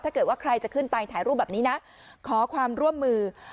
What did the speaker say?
ถ้าเกิดว่าใครจะขึ้นไปถ่ายรูปแบบนี้นะขอความร่วมมือ